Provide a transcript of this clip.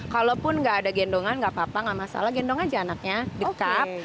kalaupun gak ada gendongan gak apa apa gak masalah gendong aja anaknya dekat